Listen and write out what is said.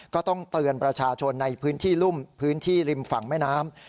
ก็ต้องเตือนประชาชนในพื้นที่รุ่มพื้นที่ริมฝั่งแม่น้ำ